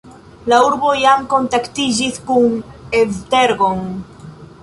La urbo jam kontaktiĝis kun Esztergom.